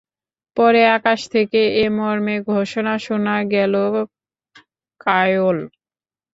পরে আকাশ থেকে এ মর্মে ঘোষণা শোনা গেলঃ কায়ল!